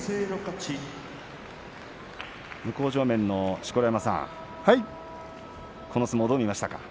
向正面の錣山さん、この相撲どう見ましたか？